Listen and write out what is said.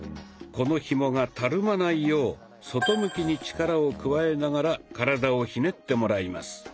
このひもがたるまないよう外向きに力を加えながら体をひねってもらいます。